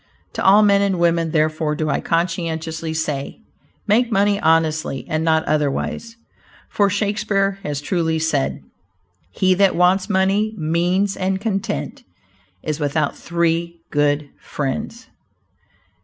To all men and women, therefore, do I conscientiously say, make money honestly, and not otherwise, for Shakespeare has truly said, "He that wants money, means, and content, is without three good friends."